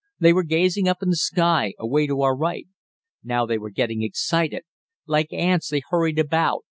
They were gazing up in the sky, away to our right. Now they were getting excited. Like ants they hurried about.